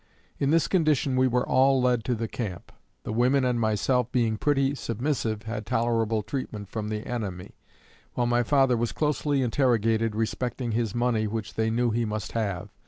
In this condition we were all led to the camp. The women and myself being pretty submissive, had tolerable treatment from the enemy, while my father was closely interrogated respecting his money which they knew he must have.